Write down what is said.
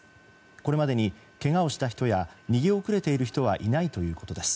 これまでにけがをした人や逃げ遅れている人はいないということです。